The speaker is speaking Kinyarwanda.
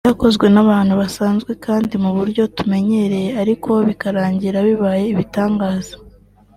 byakozwe n’abantu basanzwe kandi mu buryo tumenyereye ariko bikarangira bibaye ibitangaza